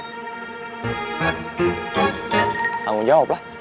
tanggung jawab lah